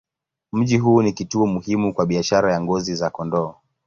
Mji huu ni kituo muhimu kwa biashara ya ngozi za kondoo.